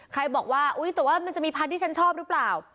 ใครบอกว่าอุ๊ยแต่ว่ามันจะมีพาร์ทที่ฉันชอบหรือเปล่า